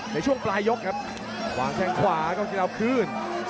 ในช่วงปลายยกครับวางแข้งขวาก่อนจะเอาคืน